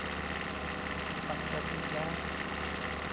ปัดตกอีกแล้ว !